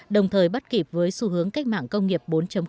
đồng thời bắt kịp với xu hướng cách mạng công nghiệp bốn